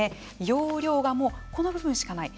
容量がもうこの部分しかない。